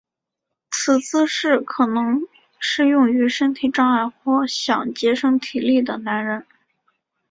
此姿势可能适用于身体障碍或想节省体力的男人。